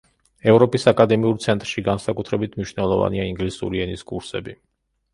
ევროპის აკადემიურ ცენტრში განსაკუთრებით მნიშვნელოვანია ინგლისური ენის კურსები.